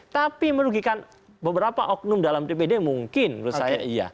tapi merugikan beberapa oknum dalam dpd mungkin menurut saya iya